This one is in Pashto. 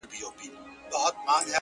مثبت چلند سخت حالات نرموي.!